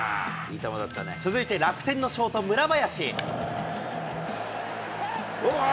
続いて楽天のショート、村林。